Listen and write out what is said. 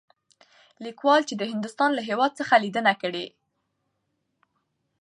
ليکوال چې د هندوستان له هـيواد څخه ليدنه کړى.